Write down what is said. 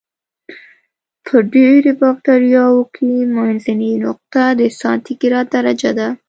په ډېری بکټریاوو کې منځنۍ نقطه د سانتي ګراد درجه ده.